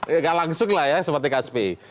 nggak langsung lah ya seperti kspi